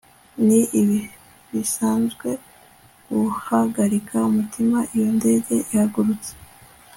Ni ibisanzwe guhagarika umutima iyo indege ihagurutse